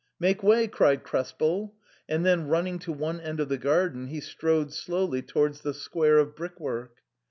" Make way !" cried Krespel ; and then run ning to one end of the garden, he strode slowly towards the square of brick work.